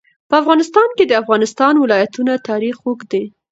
په افغانستان کې د د افغانستان ولايتونه تاریخ اوږد دی.